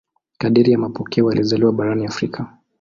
Kadiri ya mapokeo alizaliwa barani Afrika.